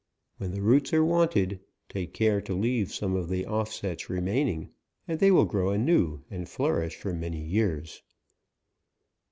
When the roots are wanted, take care to leave some of the offsets remaining, and they will grow anew, and flourish for many years.